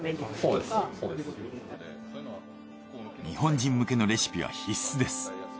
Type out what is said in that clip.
日本人向けのレシピは必須です。